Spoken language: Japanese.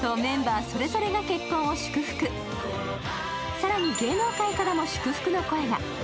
更に、芸能界からも祝福の声が。